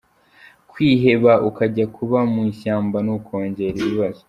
Kwiheba ukajya kuba mu ishyamba, ni ukongera ibibazo.